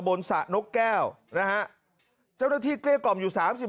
สระนกแก้วนะฮะเจ้าหน้าที่เกลี้ยกล่อมอยู่สามสิบ